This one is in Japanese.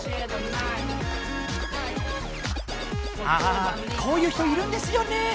ああこういう人いるんですよね。